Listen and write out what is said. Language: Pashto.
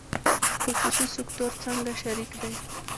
خصوصي سکتور څنګه شریک دی؟